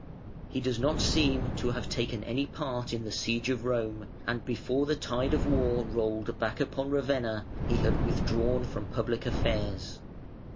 He does not seem to have taken any part in the siege of Rome, and before the tide of war rolled back upon Ravenna, he had withdrawn from public affairs.